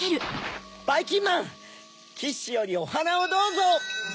ばいきんまんキッシュよりおはなをどうぞ！